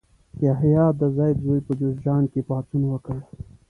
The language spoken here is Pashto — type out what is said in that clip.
یحیی د زید زوی په جوزجان کې پاڅون وکړ.